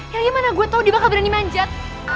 yalya mana gue tau dia bakal berani manjat